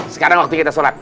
sekarang waktu kita sholat